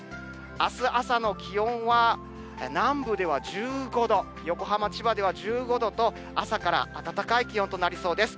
あす朝の気温は、南部では１５度、横浜、千葉では１５度と、朝から暖かい気温となりそうです。